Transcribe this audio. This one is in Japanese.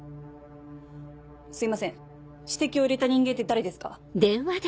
すいません指摘を入れた人間って誰ですか？